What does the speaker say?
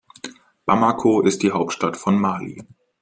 Bamako ist die Hauptstadt von Mali.